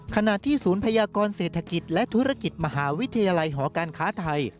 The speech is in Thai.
ขณะที่ศูนย์พยากรเศรษฐกิจและธุรกิจมหาวิทยาลัยหอการค้าไทย